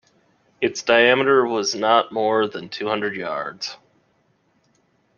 Its diameter was not more than two hundred yards.